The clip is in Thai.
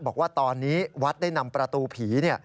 บอกว่าตอนนี้วัดได้นำประตูผี